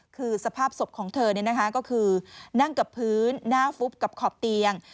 คือสภาพศพของเธอก็คือนั่งกับพื้นหน้าฟุบกับขอบเตียง